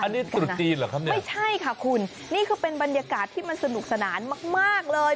อันนี้ตรุษจีนเหรอครับเนี่ยไม่ใช่ค่ะคุณนี่คือเป็นบรรยากาศที่มันสนุกสนานมากมากเลย